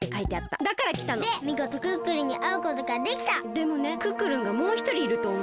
でもねクックルンがもうひとりいるとおもう。